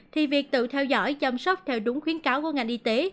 thì việc tự theo dõi chăm sóc theo đúng khuyến cáo của ngành y tế